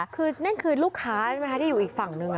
คือนั่นคือลูกค้าใช่ไหมคะที่อยู่อีกฝั่งนึง